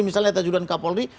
misalnya terjudul kapolri